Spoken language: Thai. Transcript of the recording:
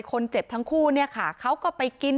คนเจ็บทั้งคู่เนี่ยค่ะเขาก็ไปกิน